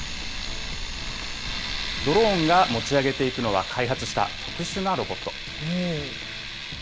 ドローンが持ち上げていくのは、開発した特殊なロボット。